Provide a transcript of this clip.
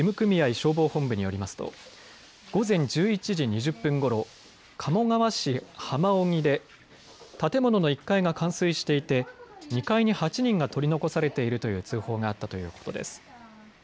消防本部によりますと、午前１１時２０分ごろ、鴨川市浜荻で建物の１階が冠水していて２階に８人が取り残されているという通報があったということです。